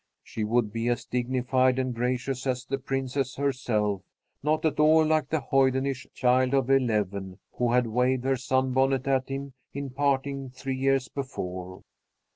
She would be as dignified and gracious as the Princess herself; not at all like the hoydenish child of eleven who had waved her sunbonnet at him in parting three years before.